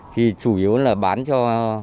thì chủ yếu là bán cho